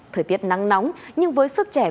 thời tiết nắng nóng nhưng với sức trẻ